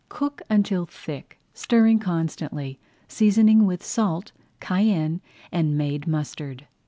Cook until thick, stirring constantly, seasoning with salt, cayenne, and made mustard.